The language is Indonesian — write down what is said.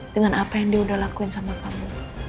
dengan apa yang dia udah lakuin sama kamu